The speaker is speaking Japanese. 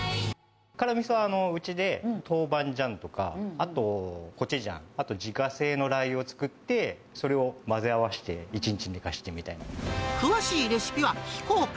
辛みそはうちでトウバンジャンとか、あとコチジャン、あと自家製のラー油を作って、それを混ぜ合わせて、１日寝かせ詳しいレシピは非公開。